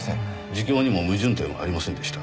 自供にも矛盾点はありませんでした。